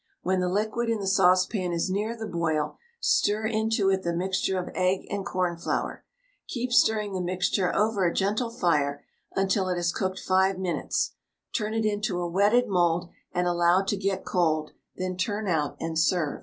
When the liquid in the saucepan is near the boil, stir into it the mixture of egg and cornflour. Keep stirring the mixture over a gentle fire until it has cooked 5 minutes. Turn it into a wetted mould and allow to get cold, then turn out and serve.